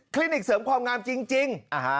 นิกเสริมความงามจริง